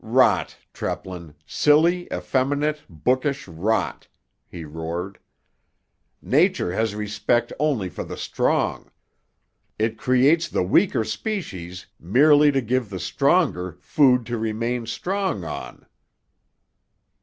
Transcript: "Rot, Treplin—silly, effeminate, bookish rot!" he roared. "Nature has respect only for the strong. It creates the weaker species merely to give the stronger food to remain strong on."